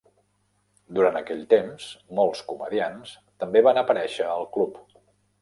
Durant aquell temps, molts comediants també van aparèixer al club.